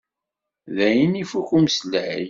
Dayen, ifukk umeslay.